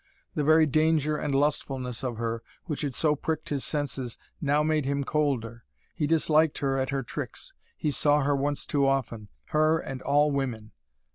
The very danger and lustfulness of her, which had so pricked his senses, now made him colder. He disliked her at her tricks. He saw her once too often. Her and all women.